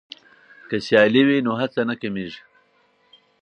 که سیالي وي نو هڅه نه کمېږي.